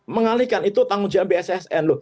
mengalihkan itu tanggung jawab bssn loh